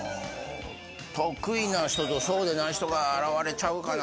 得意な人とそうでない人が現れちゃうかな？